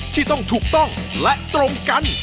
ที่ต้องถูกต้องและตรงกัน